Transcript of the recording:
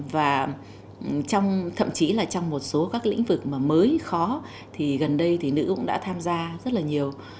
và thậm chí là trong một số các lĩnh vực mà mới khó thì gần đây thì nữ cũng đã tham gia rất là nhiều